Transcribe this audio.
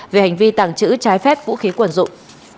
về hành vi tàng trữ trái phép vũ khí quần dụng